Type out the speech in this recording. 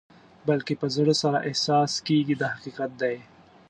بلکې په زړه سره احساس کېږي دا حقیقت دی.